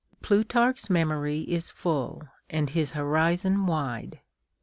Plutarch's memory is full, and his horizon wide.